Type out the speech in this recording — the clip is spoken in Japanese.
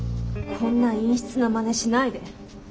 こんな陰湿なまねしないで。